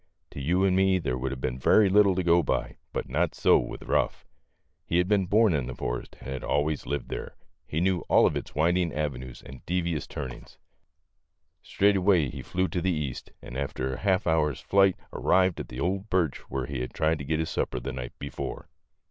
To you and me there would have been very little to go by, but not so with Ruff. He had been born in the forest, and had always lived there. He knew all of its winding avenues and devious turnings. Straight away he flew to the east, and after half an hour's flight arrived at the old birch where he had tried to get his sapper the night before.